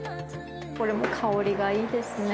これも香りがいいですね。